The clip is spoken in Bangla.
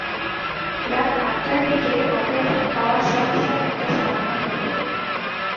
রাত আটটার দিকে থাকা এবং খাওয়ার সমস্যার একটা সমাধান হল!